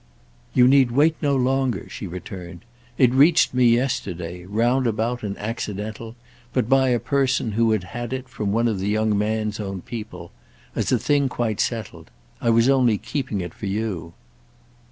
"You need wait no longer," she returned. "It reached me yesterday—roundabout and accidental, but by a person who had had it from one of the young man's own people—as a thing quite settled. I was only keeping it for you."